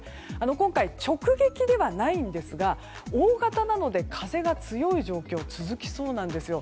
今回、直撃ではないんですが大型なので風が強い状況が続きそうです。